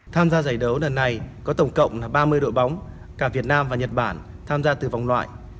tham gia giải đấu lần này có tổng cộng ba mươi đội bóng cả việt nam và nhật bản tham gia từ vòng loại